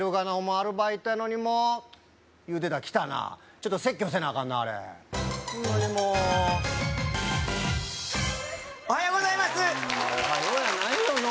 アルバイトやのにもう言うてたら来たなちょっと説教せなアカンなあれホンマにもうおはようございますホンマ